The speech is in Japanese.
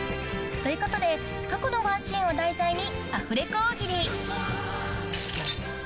ということで過去のワンシーンを題材にアフレコ